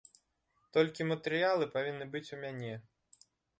Толькі матэрыялы павінны быць у мяне.